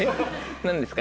何ですか？